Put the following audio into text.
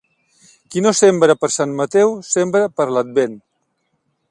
Qui no sembra per Sant Mateu, sembra per l'Advent.